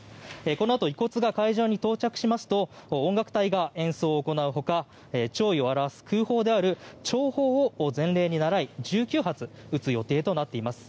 このあと遺骨が会場に到着しますと音楽隊が演奏を行うほか弔意を表す空砲である弔砲を前例に倣い１９発撃つ予定となっています。